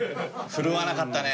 振るわなかったね